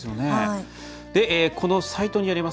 このサイトにあります